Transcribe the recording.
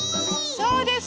そうです。